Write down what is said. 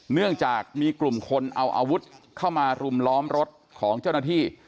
เนื่องจากมีกลุ่มคนเอาอาวุธเข้ามารุมล้อมรถของเจ้าหน้าที่